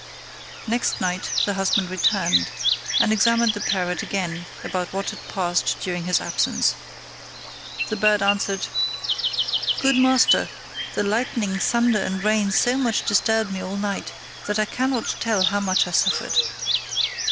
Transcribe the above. Next night the husband returned, and examined the parrot again about what had passed during his absence. The bird answered, "Good master, the lightning, thunder, and rain so much disturbed me all night, that I cannot tell how much I suffered."